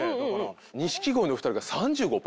錦鯉の２人が３５％？